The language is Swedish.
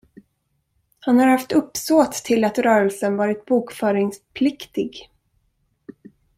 Han har haft uppsåt till att rörelsen varit bokföringspliktig.